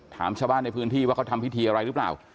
ถามชาวบ้านในพื้นที่ว่าเขาทำพิธีอะไรหรือเปล่า